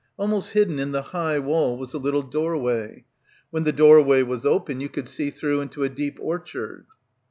Almost hidden in the high wall was a little doorway. When the doorway was open you could see through into a deep orchard."